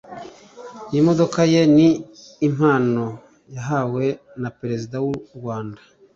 iyi modoka ye ni impano yahawe na Perezida w'u Rwanda